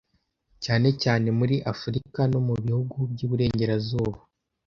cyane cyane muri Afurika no mu bihugu by’Iburengerazuba